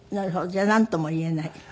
じゃあなんとも言えない。